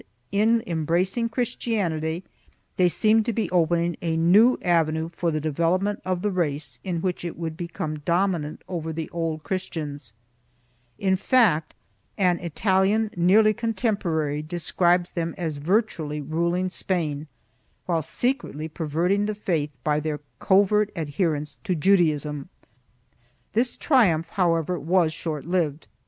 Ill] VICISSITUDES 121 embracing Christianity, they seemed to be opening a new avenue for the development of the race in which it would become domi nant over the Old Christians; in fact, an Italian nearly contem porary describes them as virtually ruling Spain, while secretly perverting the faith by their covert adherance to Judaism.1 This triumph however was short lived.